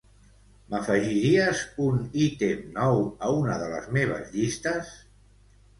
M'afegiries un ítem nou a una de les meves llistes?